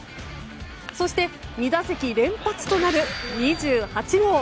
そして２打席連発となる２８号。